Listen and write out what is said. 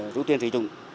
rút tiền sử dụng